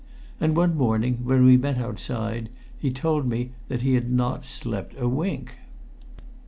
And one morning, when we met outside, he told me that he had not slept a wink.